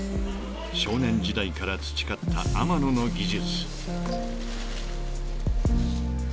［少年時代から培った天野の技術］